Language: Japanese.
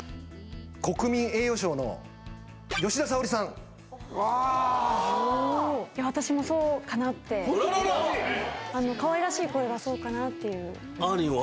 国民栄誉賞のああ私もそうかなってあららかわいらしい声がそうかなっていうあーりんは？